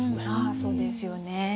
そうですよね。